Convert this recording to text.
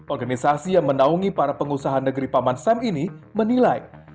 organisasi yang menaungi para pengusaha negeri paman sam ini menilai